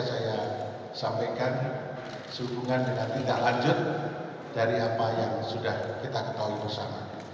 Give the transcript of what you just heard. saya sampaikan sehubungan dengan tindak lanjut dari apa yang sudah kita ketahui bersama